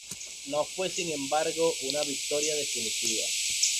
No fue sin embargo una victoria definitiva.